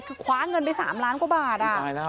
คือคว้าเงินไป๓ล้านกว่าบาท